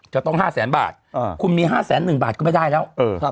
จะต้อง๕แสนบาทคุณมี๕๑๐๐บาทก็ไม่ได้แล้ว